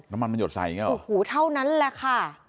น้ำมันมันหยดใส่อย่างนี้หรอโอ้โหเท่านั้นแหละค่ะ